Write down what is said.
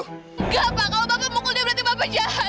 enggak pak kalau bapak mukul dia berarti bapak jahat